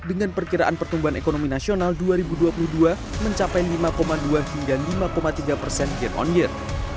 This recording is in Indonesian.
dengan perkiraan pertumbuhan ekonomi nasional dua ribu dua puluh dua mencapai lima dua hingga lima tiga persen yen on year